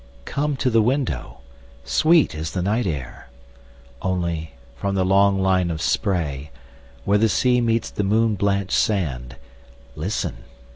Come to the window, sweet is the night air! Only, from the long line of sprayWhere the sea meets the moon blanch'd sand, Listen!